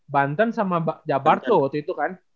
banten sama jabarto waktu itu kan